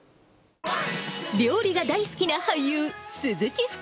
料理が大好きな俳優、鈴木福